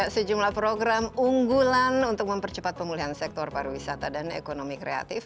sejumlah program unggulan untuk mempercepat pemulihan sektor pariwisata dan ekonomi kreatif